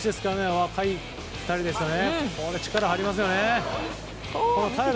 若い２人でしたね。